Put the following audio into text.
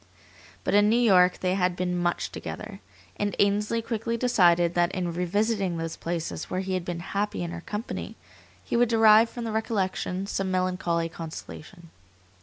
But in New York they had been much together. And Ainsley quickly decided that in revisiting those places where he had been happy in her company he would derive from the recollection some melancholy consolation.